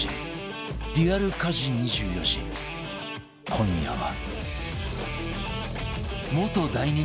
今夜は